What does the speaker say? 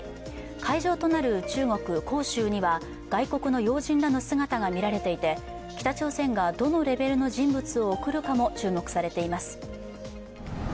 会場となる中国・杭州には外国の要人らの姿が見られていて、北朝鮮がどのレベルの人物を送るかも注目されています。